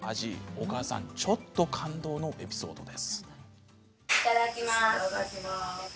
お母さん、ちょっと感動のエピソードです。